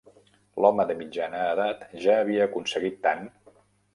L'home de mitjana edat ja havia aconseguit tant.